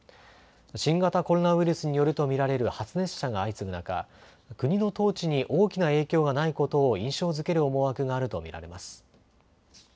新型コロナウイルスによると見られる発熱者が相次ぐ中、国の統治に大きな影響がないことを印象づける思惑があると見られます。